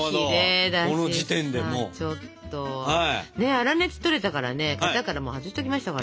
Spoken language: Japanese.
粗熱とれたからね型からもう外しときましたから。